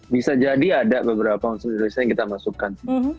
bisa jadi ada beberapa unsur indonesia yang kita masukkan